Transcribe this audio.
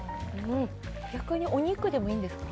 逆にお肉でもいいんですか？